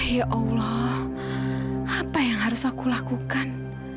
ya allah apa yang harus aku lakukan